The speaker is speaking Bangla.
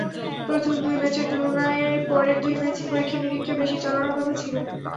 প্রথম দুই ম্যাচের তুলনায় পরের দুই ম্যাচেই পরীক্ষা-নিরীক্ষা বেশি চালানোর কথা ছিল।